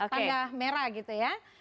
tanda merah gitu ya